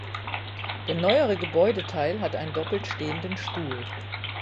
Der neuere Gebäudeteil hat einen doppelt stehenden Stuhl.